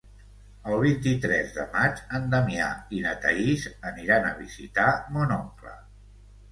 El vint-i-tres de maig en Damià i na Thaís aniran a visitar mon oncle.